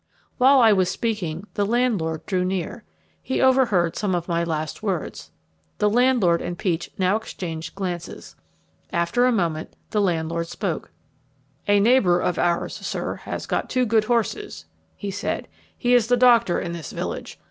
While I was speaking the landlord drew near. He overheard some of my last words. The landlord and Peach now exchanged glances. After a moment the landlord spoke, "A neighbour of ours, sir, has got two good horses," he said. "He is the doctor in this village.